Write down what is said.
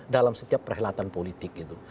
dalam setiap perhelatan politik gitu